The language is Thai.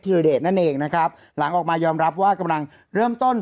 รเดชนั่นเองนะครับหลังออกมายอมรับว่ากำลังเริ่มต้น